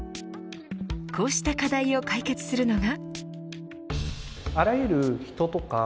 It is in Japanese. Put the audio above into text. こうした課題を解決するのが。